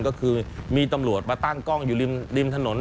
ก็คือมีตำรวจมาตั้งกล้องอยู่ริมถนน